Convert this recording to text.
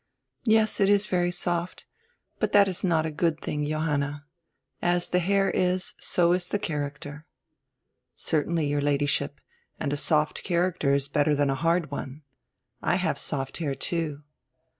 "Yes, it is very soft But that is not a good tiling, Johanna. As the hair is, so is the character." "Certainly, your Ladyship. And a soft character is better than a hard one. I have soft hair, too."